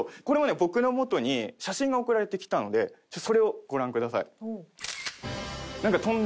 僕の元に写真が送られてきたのでそれをご覧ください。